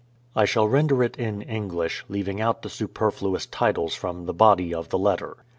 I shall render it in English, leaving out the superfluous titles from the body of the letter.